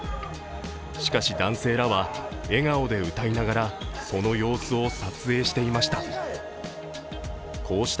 しかし、男性らは笑顔で歌いながらその様子を撮影していました。